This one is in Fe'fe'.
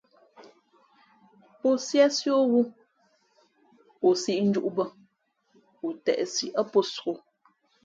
Pō síésí ō wū o sīʼ njūʼ bᾱ, o têʼsi ά pō sōk ō.